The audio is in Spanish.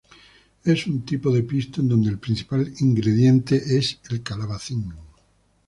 Es un tipo de pisto en donde el principal ingrediente es el calabacín.